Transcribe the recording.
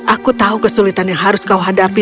aku tahu kesulitan yang harus kau hadapi